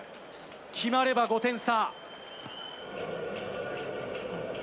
決まれば５点差。